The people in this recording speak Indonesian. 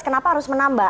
kenapa harus menambah